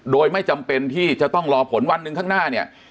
โดยไม่จำเป็นที่จะต้องรอผลวันหนึ่งข้างหน้าเนี่ย